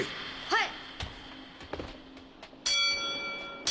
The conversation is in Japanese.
はい！